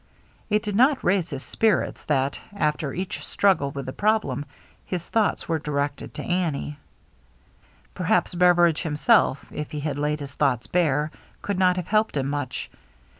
And it did not raise his spirits that, after each struggle with the problem, his thoughts were directed to Annie. Perhaps Beveridge himself, if he had laid his thoughts bare, could not have helped him much.